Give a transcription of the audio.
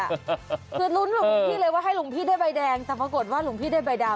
คือลุ้นหลวงพี่เลยว่าให้หลวงพี่ได้ใบแดงแต่ปรากฏว่าหลวงพี่ได้ใบดำ